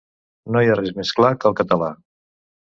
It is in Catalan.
No hi ha res més clar que el català.